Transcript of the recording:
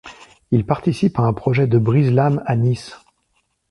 Il participe à un projet de brise-lames, à Nice.